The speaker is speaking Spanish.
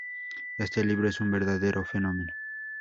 Este libro es un verdadero fenómeno.